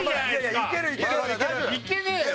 いけねえよ！